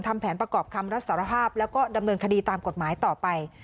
ทำแผนประกอบคำรับสารภาพแล้วก็ดำเนินคดีตามกฎหมายต่อไป